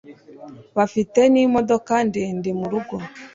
bafite n'imodoka ndende murugo